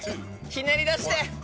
ひねり出して。